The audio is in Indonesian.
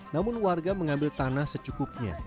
namun warga mengambil tanah secukupnya